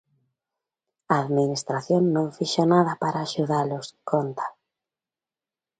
"A administración non fixo nada para axudalos", conta.